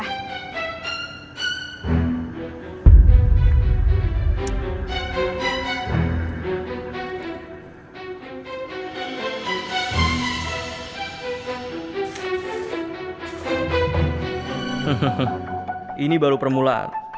hehehe ini baru permulaan